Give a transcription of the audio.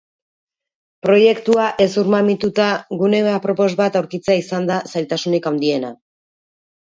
Proiektua hezurmamituta, gune apropos bat aurkitzea izan da zailtasunik handiena.